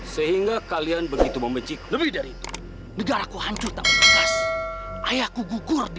sehingga kalian begitu membenci lebih dari negara kuhancut ayahku gugur di